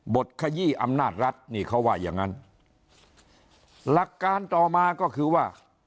ขยี้อำนาจรัฐนี่เขาว่าอย่างงั้นหลักการต่อมาก็คือว่า